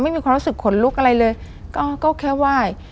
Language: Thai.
ไม่มีความรู้สึกขนลุกอะไรเลยก็แค่ไหว้